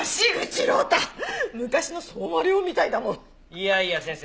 いやいや先生。